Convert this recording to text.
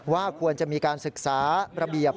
ว่าควรจะมีการศึกษาระเบียบ